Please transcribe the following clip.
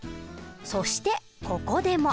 そしてここでも。